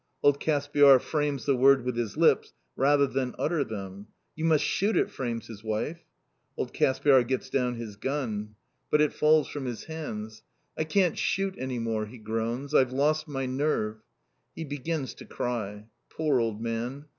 Old Caspiar frames the word with his lips rather than utter them. "You must shoot it," frames his wife. Old Caspiar gets down his gun. But it falls from his hands. "I can't shoot any more," he groans. "I've lost my nerve." He begins to cry. Poor old man!